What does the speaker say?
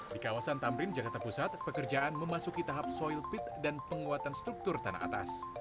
di kawasan tamrin jakarta pusat pekerjaan memasuki tahap soil pit dan penguatan struktur tanah atas